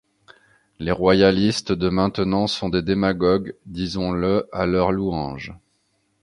Les royalistes de maintenant sont des démagogues, disons-le à leur louange.